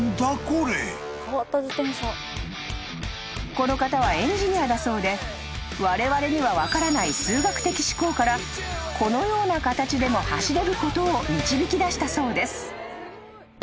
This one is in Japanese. ［この方はエンジニアだそうでわれわれには分からない数学的思考からこのような形でも走れることを導き出したそうです］